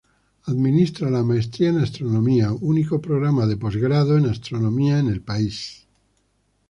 Administra la maestría en Astronomía, único programa de posgrado en Astronomía en el país.